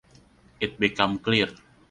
It became clear.